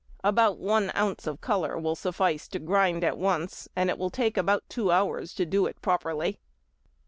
About one oz. of colour will suffice to grind at once, and it will take about two hours to do it properly.